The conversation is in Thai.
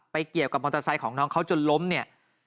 เกี่ยวกับมอเตอร์ไซค์ของน้องเขาจนล้มเนี่ย